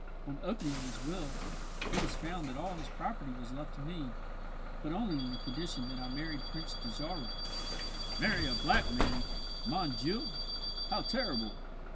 On opening his will, it was found that all his property was left to me but only on the condition that I married Prince Dajarah." "Marry a black man! Mon Dieu, how terrible!"